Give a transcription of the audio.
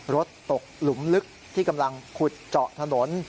รถตกหลุมลึกที่กำลังขุดเจาะถนน